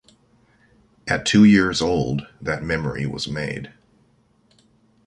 At two years old that memory was made.